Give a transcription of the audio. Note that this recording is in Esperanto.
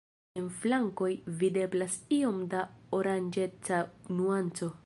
En flankoj videblas iom da oranĝeca nuanco.